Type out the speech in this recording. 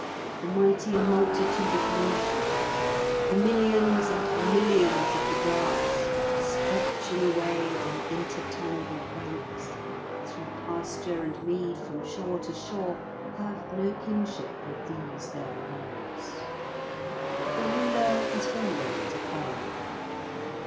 The mighty multitude of nations, the millions and millions of the grass stretching away in intertangled ranks, through pasture and mead from shore to shore, have no kinship with these their lords. The ruler is always a foreigner.